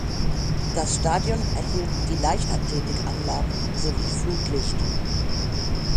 Das Stadion erhielt die Leichtathletikanlagen sowie Flutlicht.